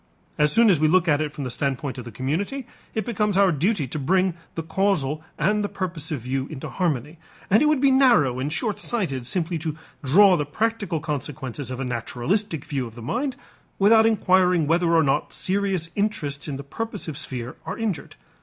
As soon as we look at it from the standpoint of the community, it becomes our duty to bring the causal and the purposive view into harmony, and it would be narrow and short sighted simply to draw the practical consequences of a naturalistic view of the mind without inquiring whether or not serious interests in the purposive sphere are injured.